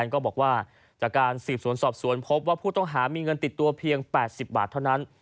ก็บอกว่าจากการสืบสวนสอบสวนพบว่าผู้ต้องหามีเงินติดตัวเพียง๘๐บาทเท่านั้น